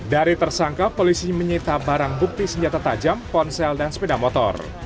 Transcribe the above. dari tersangka polisi menyita barang bukti senjata tajam ponsel dan sepeda motor